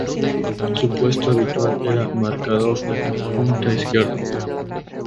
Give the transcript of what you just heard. Su puesto habitual era marcador de punta izquierdo.